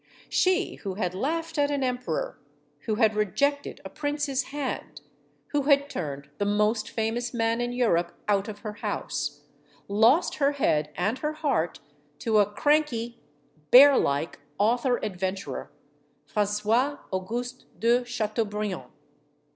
She who had laughed at an emperor, who had rejected a prince's hand, who had turned the most famous man in Europe out of her house, lost her head and her heart to a cranky, bearlike author adventurer, Francois Auguste de Chateaubriand.